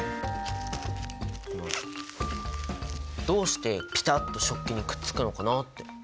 どうしてピタッと食器にくっつくのかなって。